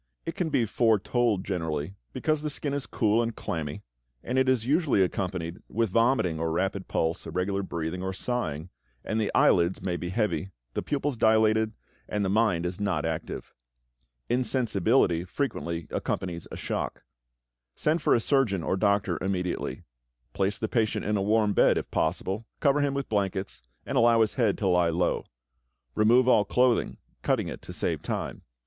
It can be foretold generally, because the skin is cool and clammy, and it is usually accompanied with vomiting or rapid pulse, irregular breathing, or sighing, and the eyelids may be heavy, the pupils dilated, and the mind is not active. Insensibility frequently accompanies a shock. Send for a surgeon or doctor immediately. Place the patient in a warm bed, if possible, cover him with blankets, and allow his head to lie low. Remove all clothing, cutting it to save time.